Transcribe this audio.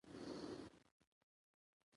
کلي د ځوانانو لپاره ډېره دلچسپي لري.